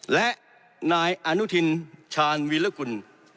และนายอนุทินชาญวิรกุล